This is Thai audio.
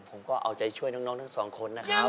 ผมก็เอาใจช่วยน้องทั้งสองคนนะครับ